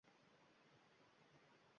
Osiyoni sharqdan gʻarbga qarab kesib oʻtgan.